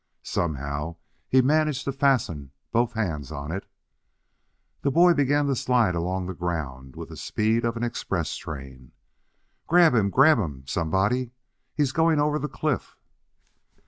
Somehow he managed to fasten both hands on it. The boy began to slide along the ground with the speed of an express train. "Grab him! Grab him, somebody! He's going over the cliff!"